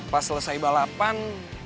pas selesai balapan